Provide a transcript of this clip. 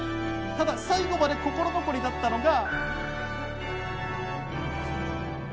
ただ最後まで心残りだったのが。